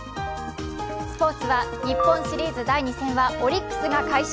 スポーツは日本シリーズ第２戦はオリックスが快勝。